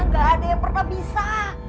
gak ada yang pernah bisa